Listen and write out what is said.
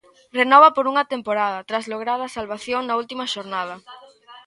Renova por unha temporada tras lograr a salvación na última xornada.